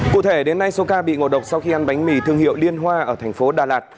cụ thể đến nay số ca bị ngộ độc sau khi ăn bánh mì thương hiệu liên hoa ở thành phố đà lạt